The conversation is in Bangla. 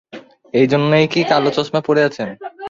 এই জন্যেই কি কালো চশমা পরে আছেন?